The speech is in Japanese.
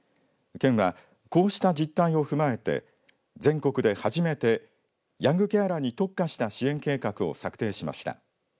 県は、こうした実態を踏まえて全国で初めてヤングケアラーに特化した支援計画を策定しました。